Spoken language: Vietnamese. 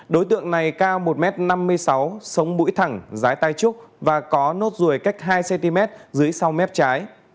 đối tượng này cao một m năm mươi sáu sống bũi thẳng giái tai trúc và có nốt ruồi cách hai cm dưới sau mép trái